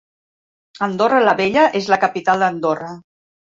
Andorra la Vella és la capital d'Andorra.